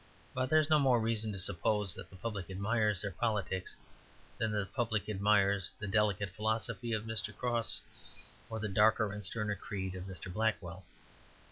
But there is no more reason to suppose that the public admires their politics than that the public admires the delicate philosophy of Mr. Crosse or the darker and sterner creed of Mr. Blackwell.